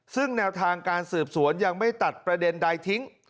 ซึ่งแนวทางการสืบสวนยังไม่ตัดประเด็นใดทิ้ง